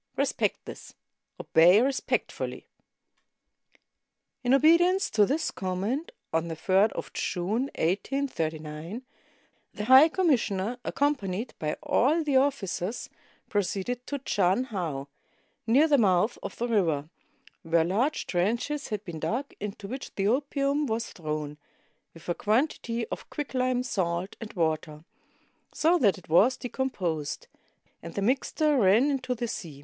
Respect this. Obey respectfully." In obedience to this command, on the 3d of June, 1839, the high commissioner, accompanied by all the officers, proceeded to Chan hau, near the mouth of the river, where large trenches had been dug, into which the opium was thrown, with a quantity of quicklime, salt, and water, so that it was decomposed, and the mixture ran into the sea.